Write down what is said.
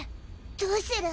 どうする？